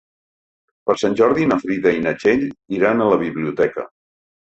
Per Sant Jordi na Frida i na Txell iran a la biblioteca.